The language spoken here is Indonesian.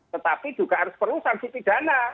tetapi juga harus perlu sanksi pidana